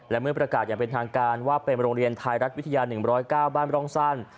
และเมื่อประกาศอย่างเป็นทางการว่าเป็นโรงเรียนไทยรัฐวิทยา๑๐๙บ้านร่องสั้น